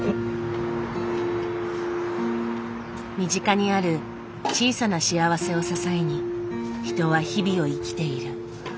身近にある小さな幸せを支えに人は日々を生きている。